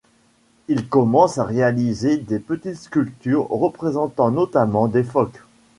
Il commence à réaliser des petites sculptures, représentant notamment des phoques.